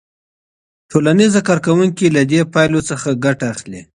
ټولنیز کارکوونکي له دې پایلو څخه ګټه اخلي.